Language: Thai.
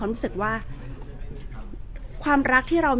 ก่อนที่จะเกิดเหตุการณ์นี้ขึ้นเนี้ยเราก็มีอะไรที่สวยงาม